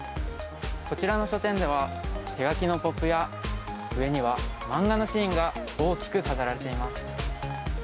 こちらの書店では手書きのポップや上には漫画のシーンが大きく飾られています。